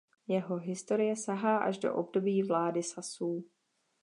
Jeho historie sahá až do období vlády Sasů.